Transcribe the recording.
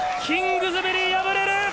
キングズベリー、敗れる！